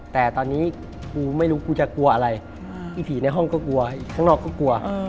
แต่ตอนนี้กูไม่รู้กูจะกลัวอะไรอีผีในห้องก็กลัวข้างนอกก็กลัว